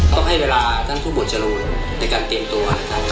ต้องให้เวลาท่านผู้หมวดจรูนในการเตรียมตัวนะครับ